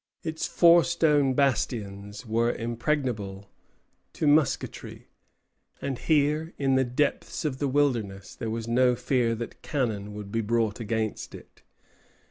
Its four stone bastions were impregnable to musketry; and, here in the depths of the wilderness, there was no fear that cannon would be brought against it.